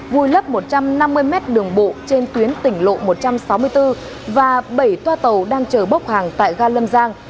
vùi lấp một trăm năm mươi mét đường bộ trên tuyến tỉnh lộ một trăm sáu mươi bốn và bảy toa tàu đang chở bốc hàng tại ga lâm giang